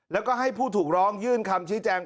แล้วก็ให้ผู้ถูกร้องยื่นคำชี้แจง